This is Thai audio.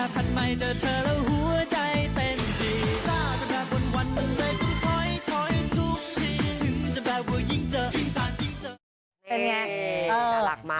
เป็นอย่างไรน่ารักมาก